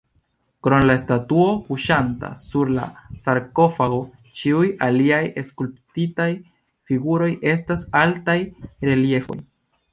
Krom la statuo kuŝanta sur la sarkofago, ĉiuj aliaj skulptitaj figuroj estas altaj reliefoj.